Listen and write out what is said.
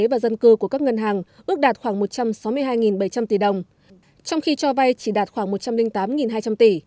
và dân cư của các ngân hàng ước đạt khoảng một trăm sáu mươi hai bảy trăm linh tỷ đồng trong khi cho vay chỉ đạt khoảng một trăm linh tám hai trăm linh tỷ